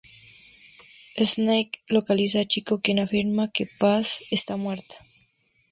Snake localiza a Chico, quien afirma que Paz está muerta.